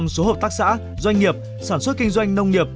một trăm linh số hợp tác xã doanh nghiệp sản xuất kinh doanh nông nghiệp